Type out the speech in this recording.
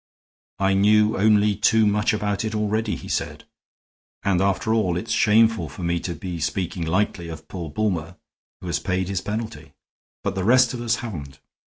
"I knew only too much about it already," he said, "and, after all, it's shameful for me to be speaking lightly of poor Bulmer, who has paid his penalty; but the rest of us haven't.